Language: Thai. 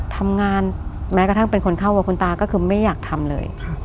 ทำงานแม้กระทั่งเป็นคนเข้ากับคุณตาก็คือไม่อยากทำเลย